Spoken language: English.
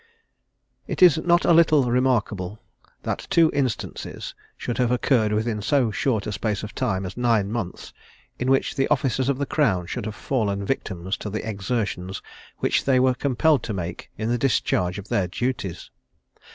It is not a little remarkable that two instances should have occurred within so short a space of time as nine months, in which the officers of the Crown should have fallen victims to the exertions which they were compelled to make in the discharge of their duties.